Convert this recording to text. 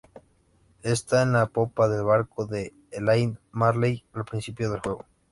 Está en la popa del barco de Elaine Marley, al principio del juego.